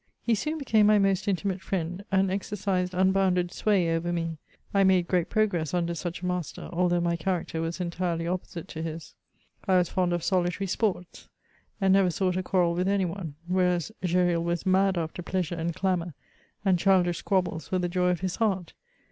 He soon hecame my most intimate friend, and exercised unhounded sway oyer me. I made great progress under such a master, although my character was entirely oppo site to his. I was fond of solitary sports, and never sought a quarrel with any one, whereas Gesnl was mad after pleasure and clamour, and childish squabhles were the joy of his heart.